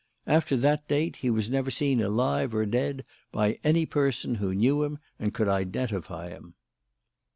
After that date he was never seen alive or dead by any person who knew him and could identify him."